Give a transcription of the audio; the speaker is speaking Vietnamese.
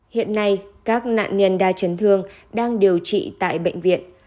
hiện nay các nạn nhân đa chấn thương đang điều trị tại bệnh viện